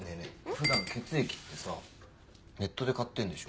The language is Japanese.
普段血液ってさネットで買ってるんでしょ？